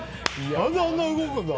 何で、あんな動くんだ？